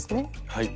はい。